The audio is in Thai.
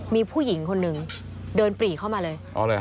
มีผู้หญิงคนหนึ่งเดินปรีเข้ามาเลย